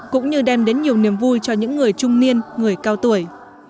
cũng như đem đến nhiều niềm vui cho những người trung niên người cao tuổi